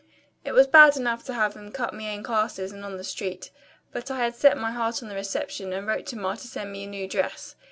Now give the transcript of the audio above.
It was bad enough to have them cut me in classes and on the street, but I had set my heart on the reception and wrote to Ma to send me a new dress.